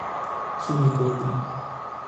是美國人